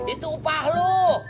itu upah lu